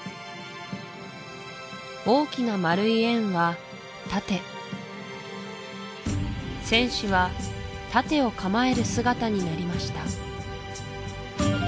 大きな丸い円は盾戦士は盾を構える姿になりました